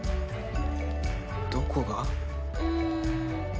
どこが？ん。